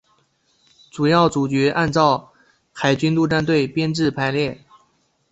主要角色按照海军陆战队编制排列。